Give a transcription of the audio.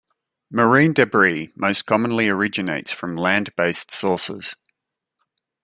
Marine debris most commonly originates from land-based sources.